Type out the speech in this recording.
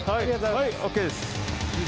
はいＯＫです。